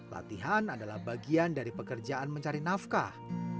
latihan adalah bagian dari pekerjaan mencari nafkah